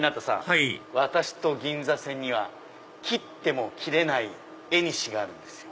はい私と銀座線には切っても切れないえにしがあるんですよ。